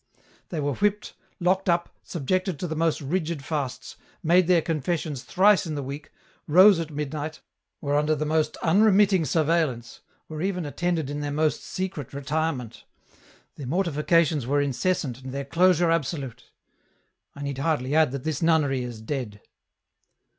They were whipped, locked up, subjected to the most rigid fasts, made their confessions thrice in the week, rose at midnight, were under the most unremitting surveillance, were even attended in their most secret retirement ; their mortifications were incessant and their closure absolute. I need hardly add that this nunnery is dead."